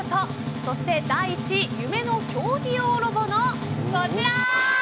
そして、第１位夢の競技用ロボのこちら。